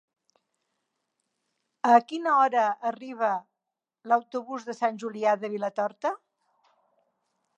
A quina hora arriba l'autobús de Sant Julià de Vilatorta?